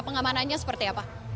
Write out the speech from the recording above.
pengamanannya seperti apa